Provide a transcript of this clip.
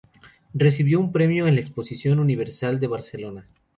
Recibió un premio en la Exposición Universal de Barcelona.